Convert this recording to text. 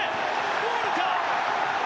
ボールか？